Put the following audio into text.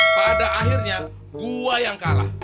pada akhirnya gua yang kalah